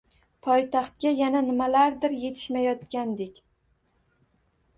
Poytaxtga yana nimalardir yetishmayotgandek...